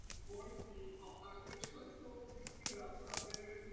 Prezidentem asociace je Jaromír Boháč z Mezinárodního hudebního festivalu Český Krumlov.